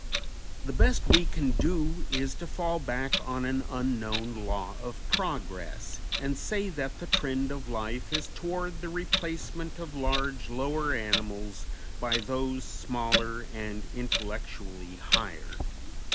The best we can do is to fall back on an unknown "law of progress," and say that the trend of life is toward the replacement of large, lower animals by those smaller and intellectually higher.